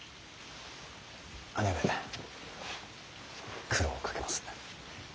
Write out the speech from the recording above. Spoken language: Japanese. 姉上苦労をかけます。